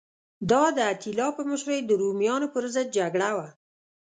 دا د اتیلا په مشرۍ د رومیانو پرضد جګړه وه